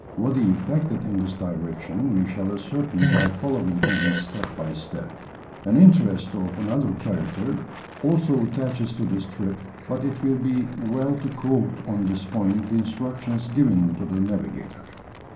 What he effected in this direction we shall ascertain by following him step by step. An interest of another character also attaches to this trip, but it will be well to quote on this point the instructions given to the navigator.